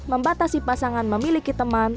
membatasi pasangan memiliki teman